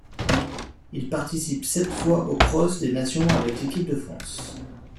Il participe sept fois au cross des nations avec l'équipe de France.